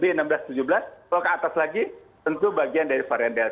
kalau ke atas lagi tentu bagian dari varian delta